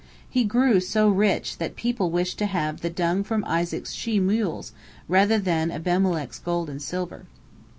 He grew so rich that people wished to have "the dung from Isaac's she mules rather than Abimelech's gold and silver."